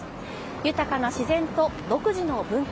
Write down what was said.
豊かな自然と独自の文化。